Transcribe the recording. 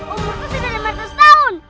umurku sudah lima belas tahun